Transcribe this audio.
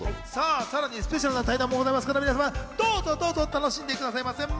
さらにスペシャルな対談もございますからどうぞ楽しんでくださいませ。